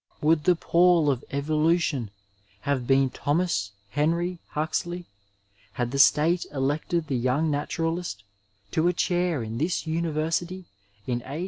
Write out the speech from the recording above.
* Would the Paul of evolution have been Thomas Henry Huxley had the Senate elected the young naturalist to a chair in this university in 1851 ?